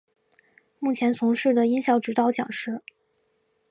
目前从事的音效指导讲师。